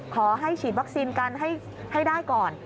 ขอให้ฉีดวัคซีนกันให้ได้ก่อน